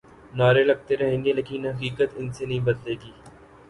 نعرے لگتے رہیں گے لیکن حقیقت ان سے نہیں بدلے گی۔